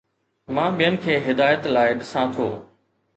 مان ٻين کي هدايت لاء ڏسان ٿو